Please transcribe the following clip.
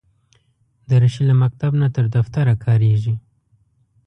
دریشي له مکتب نه تر دفتره کارېږي.